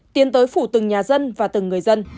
tiến tới phủ từng nhà dân và từng người dân